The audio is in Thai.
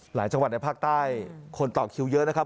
ในจังหวัดในภาคใต้คนต่อคิวเยอะนะครับ